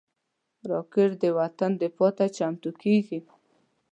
راکټ د وطن دفاع ته چمتو کېږي